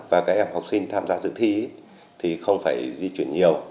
và các em học sinh tham gia dự thi thì không phải di chuyển nhiều